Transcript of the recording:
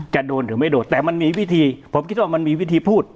จะโดนหรือไม่โดนแต่มันมีวิธีผมคิดว่ามันมีวิธีพูด